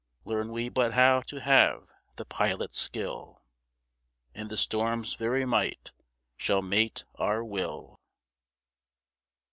Learn we but how to have the pilot skill, And the storm's very might shall mate our will.